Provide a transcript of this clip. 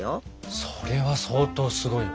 それは相当すごいわ。